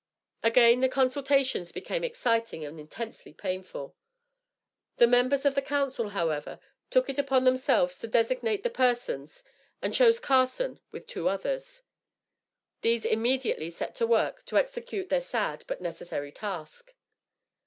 Again the consultations became exciting and intensely painful. The members of the council, however, took it upon themselves to designate the persons, and chose Carson with two others. These immediately set at work to execute their sad but necessary task.